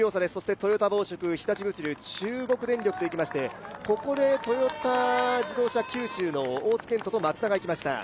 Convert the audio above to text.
トヨタ紡織、日立物流、中国電力といきまして、ここでトヨタ自動車九州の大津顕杜とマツダがいきました。